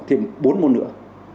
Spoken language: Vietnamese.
thêm bốn môn nữa